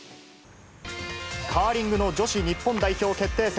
カーリングの女子日本代表決定戦。